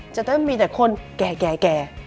จะต้องมีแต่คนแก่